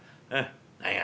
何や？」。